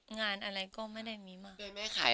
งานอะไรก็ไม่ได้มีมา